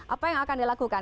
apa yang akan dilakukan